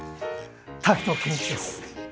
滝藤賢一です。